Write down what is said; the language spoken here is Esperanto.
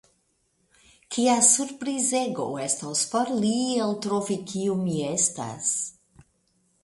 Kia surprizego estos por li eltrovi kiu mi estas!